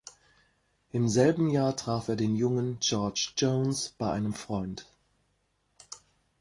Im selben Jahr traf er den jungen George Jones bei einem Freund.